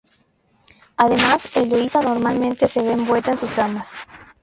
Además Eloísa normalmente se ve envuelta en sus tramas.